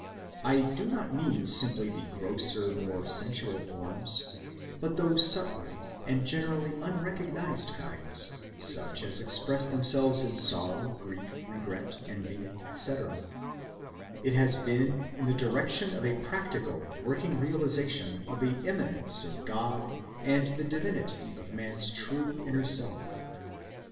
I do not mean simply the grosser, more sensual forms, but those subtler and generally unrecognized kinds, such as express themselves in sorrow, grief, regret, envy, etc. It has been in the direction of a practical, working realization of the immanence of God and the Divinity of man's true, inner self." LECTURES VI AND VII. THE SICK SOUL.